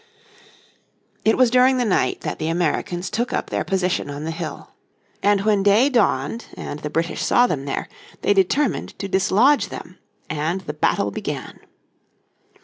It was during the night that the Americans took up their position on the hill. And when day dawned and the British saw them there, they determined to dislodge them, and the battle began.